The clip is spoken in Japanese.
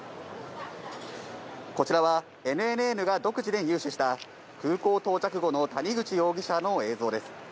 こちらはＮＮＮが独自で入手した空港到着後の谷口容疑者の映像です。